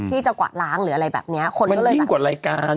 ที่จะกวะล้างหรืออะไรแบบนี้คนก็เลยแบบมันยิ่งกว่ารายการ